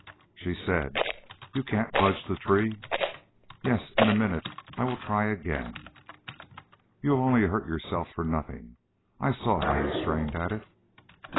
She said: "You can't budge the tree?" "Yes in a minute; I will try again." "You'll only hurt yourself for nothing. I saw how you strained at it."